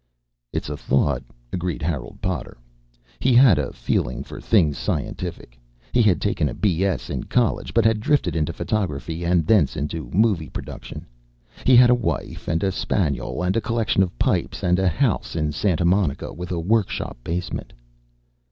"It's a thought," agreed Harold Potter. He had a feeling for things scientific; he had taken a B.S. in college but had drifted into photography and thence into movie production. He had a wife and a spaniel and a collection of pipes and a house in Santa Monica with a workshop basement.